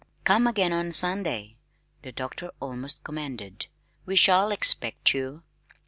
"Come again on Sunday," the doctor almost commanded. "We shall expect you."